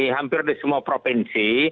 hampir di semua provinsi